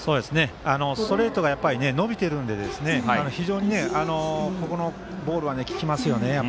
ストレートが伸びているので非常にこのボールは効きますね。